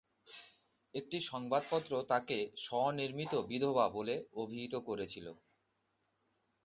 একটি সংবাদপত্র তাকে "স্ব-নির্মিত বিধবা" বলে অভিহিত করেছিল।